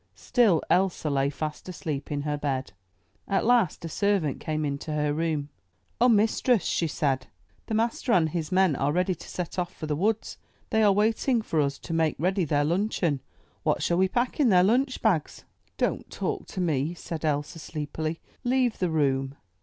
Still Elsa lay fast asleep in her bed. At last a servant came into her room. ''O mistress,'' she said, '*the master and his men 251 M Y BOOK HOUSE are ready to set off for the woods. They are waiting for us to make ready their luncheon. What shall we pack in their lunch bags?" ''Don't talk to me," said Elsa sleepily. *'Leave the room!"